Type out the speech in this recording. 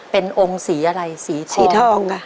เป็นองค์สีอะไรสีสีทองค่ะ